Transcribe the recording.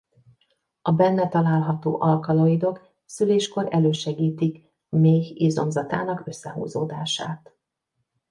A benne található alkaloidok szüléskor elősegítik a méh izomzatának összehúzódását.